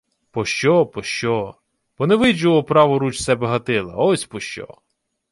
— Пощо, пощо... Бо не виджу о праву руч себе Гатила! Ось пощо!